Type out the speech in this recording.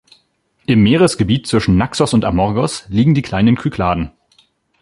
Im Meeresgebiet zwischen Naxos und Amorgos liegen die Kleinen Kykladen.